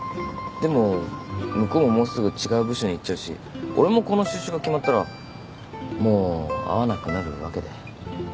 でも向こうももうすぐ違う部署に行っちゃうし俺もこの就職が決まったらもう会わなくなるわけで。